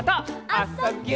「あ・そ・ぎゅ」